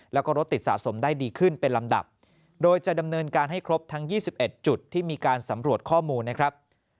แล้วก็รถติดสะสมได้ดีขึ้นเป็นลำดับโดยจะดำเนินการให้ครบทั้ง๒๑จุดที่มีการสำรวจข้อมูลนะครับ